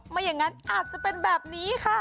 ไม่อย่างนั้นอาจจะเป็นแบบนี้ค่ะ